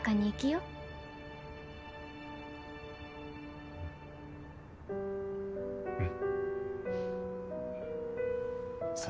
うん。